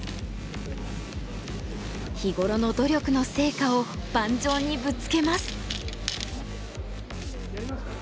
日頃の努力の成果を盤上にぶつけます。